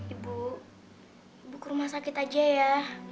ibu ibu ke rumah sakit aja ya